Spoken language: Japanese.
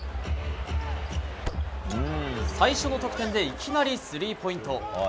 最初の得点でいきなりスリーポイント。